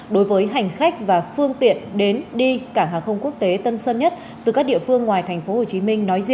đối với hành khách và phương tiện đến đi cảng hàng không quốc tế tân sân nhất từ các địa phương ngoài tp hcm